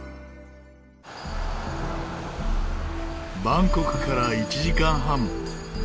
バンコクから１時間半。